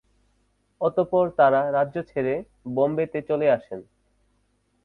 অতঃপর, তাঁরা রাজ্য ছেড়ে বোম্বে তে চলে আসেন।